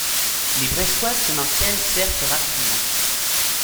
Les Brestois se maintiennent certes rapidement.